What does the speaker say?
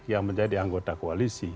yang menjadi anggota koalisi